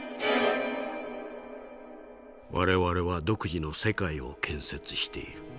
「我々は独自の世界を建設している。